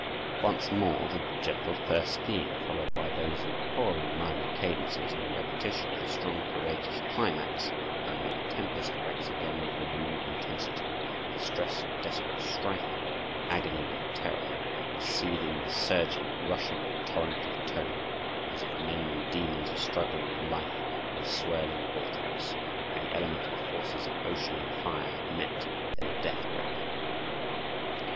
Once more the gentle first theme, followed by those imploring minor cadences and a repetition of the strong, courageous climax, and then the tempest breaks again with renewed intensity, the stress of desperate strife, the agony of terror, a seething, surging, rushing torrent of tone, as if men and demons were struggling for life in a swirling vortex, where the elemental forces of ocean and fire had met in a death grapple.